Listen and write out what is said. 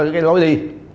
cái lối đi